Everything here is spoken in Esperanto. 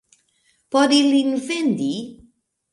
Por ilin vendi?